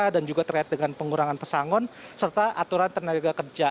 dan juga terkait dengan pengurangan pesangon serta aturan tenaga kerja